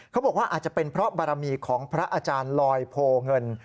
เขาบอกว่าอาจจะเป็นเพราะบารมีของพระอาจารย์ลอยโพเงิน